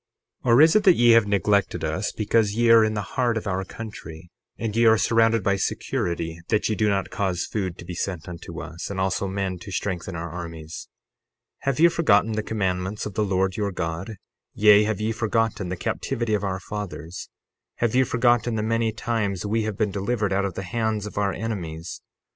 60:19 Or is it that ye have neglected us because ye are in the heart of our country and ye are surrounded by security, that ye do not cause food to be sent unto us, and also men to strengthen our armies? 60:20 Have ye forgotten the commandments of the Lord your God? Yea, have ye forgotten the captivity of our fathers? Have ye forgotten the many times we have been delivered out of the hands of our enemies?